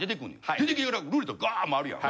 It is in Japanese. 出てきてからルーレットガーッ回るやん。